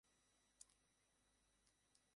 হেই, এখানে আমরা সবাই আমেরিকান, তাই না?